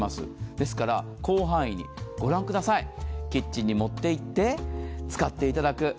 ですから広範囲に、御覧ください、キッチンに持っていって使っていただく。